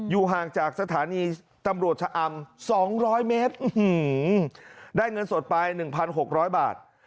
ห่างจากสถานีตำรวจชะอำ๒๐๐เมตรได้เงินสดไป๑๖๐๐บาท